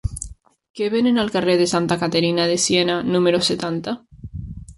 Què venen al carrer de Santa Caterina de Siena número setanta?